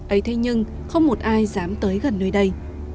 ấy thế nhưng không một ai dám tới gần nơi đây